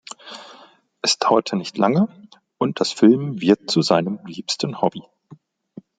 Es dauerte nicht lange, und das Filmen wird zu seinem liebsten Hobby.